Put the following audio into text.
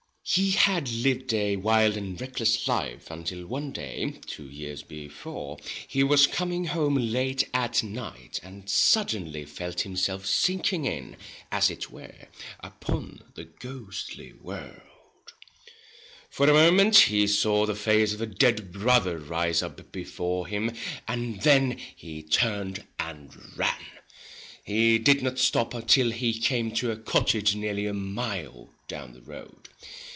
He had lived a wild and reckless life, until one day, two years before, he was coming home late at night, and suddenly felt himself sinking in, as it were, upon the ghostly world. For a moment he saw the face of a dead brother rise up before him, and then he turned and ran. He did not stop till he came to a cottage nearly a mile 143 The down the road.